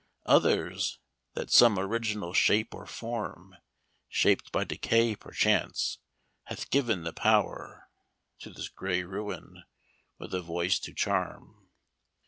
"Others, that some original shape or form, Shaped by decay perchance, hath given the power To this gray ruin, with a voice to charm.